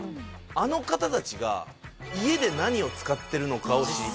あの方たちが家で何を使ってるのかを知りたい。